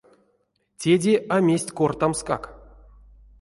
Теде а мезть кортамскак.